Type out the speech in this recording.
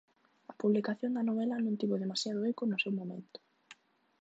A publicación da novela non tivo demasiado eco no seu momento.